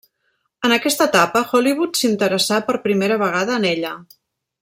En aquesta etapa, Hollywood s'interessà per primera vegada en ella.